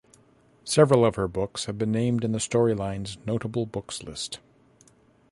Several of her books have been named in the Storylines Notable Books List.